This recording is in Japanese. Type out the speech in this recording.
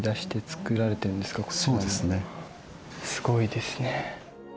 すごいですね。